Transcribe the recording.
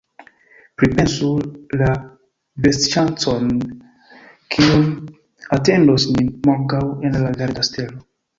Pripensu la vetŝancojn, kiuj atendos nin morgaŭ en La Verda Stelo!